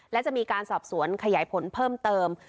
และจะมีการสอบสวนขยายผลเพิ่มเติม